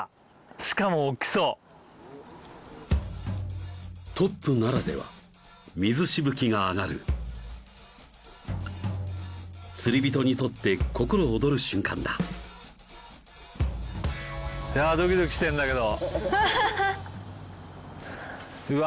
しかも大っきそうトップならでは水しぶきが上がる釣り人にとって心躍る瞬間だいやドキドキしてんだけどハハハうわ